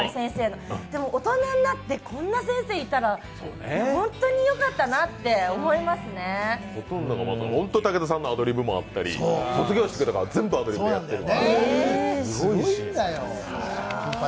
でも大人になってこんな先生いたら、本当によかったなと思いますね武田さんのアドリブがあったり、卒業式とか全部アドリブでやってる。